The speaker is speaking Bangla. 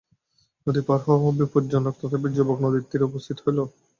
নদী পার হওয়া বিপজ্জনক, তথাপি যুবক নদীতীরে উপস্থিত হইল।